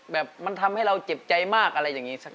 แบบมันทำให้เราเจ็บใจมากอะไรอย่างนี้สัก